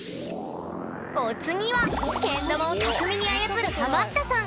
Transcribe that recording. お次はけん玉を巧みに操るハマったさん